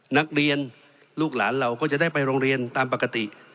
นักเรียนลูกหลานเราก็จะได้ไปโรงเรียนตามปกติ